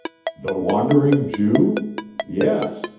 "The Wandering Jew? Yes.